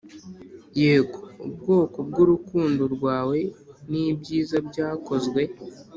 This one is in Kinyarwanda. yego, ubwoko bwurukundo rwawe nibyiza byakozwe